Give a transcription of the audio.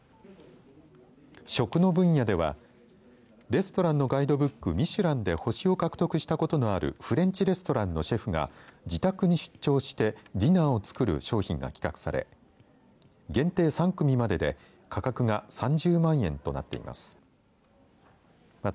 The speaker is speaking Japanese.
食の分野ではレストランのガイドブックミシュランで星を獲得したことのあるフレンチレストランのシェフが、自宅に出張してディナーを作る商品が企画され限定３組までで価格が３０万円となっています。